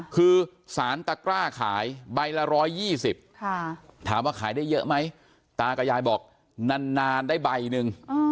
คือสารตะกร้าขายใบละ๑๒๐ถามว่าขายได้เยอะไหมตากับยายบอกนานได้ใบหนึ่ง